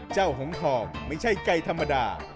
เจ้าหงคอมไม่ใช่ไก่ธรรมดา